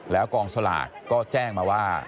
และกองสลากก็แจ้งมา